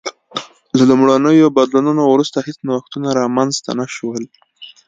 له لومړنیو بدلونونو وروسته هېڅ نوښتونه رامنځته نه شول